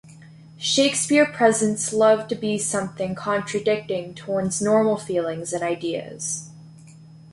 Shakespeare presents love to be something contradicting to one's normal feelings and ideas.